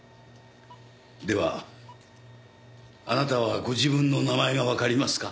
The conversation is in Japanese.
ではあなたはご自分の名前がわかりますか？